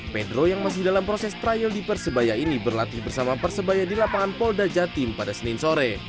pedro yang masih dalam proses trial di persebaya ini berlatih bersama persebaya di lapangan polda jatim pada senin sore